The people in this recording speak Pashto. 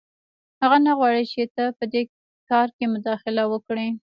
هغه نه غواړي چې ته په دې کار کې مداخله وکړې